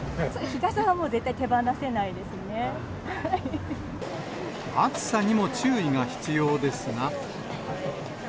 日傘はもう絶対に手放せない暑さにも注意が必要ですが。